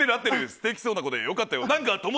素敵そうな子でよかったよ。